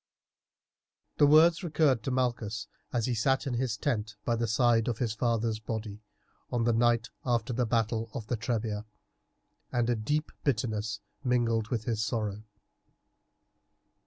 The words recurred to Malchus as he sat in his tent by the side of his father's body on the night after the battle of the Trebia, and a deep bitterness mingled with his sorrow.